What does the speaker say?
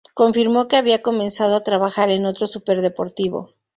Confirmó que había comenzado a trabajar en otro superdeportivo.